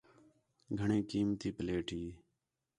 گھݨیں قیمتی پلیٹ ہی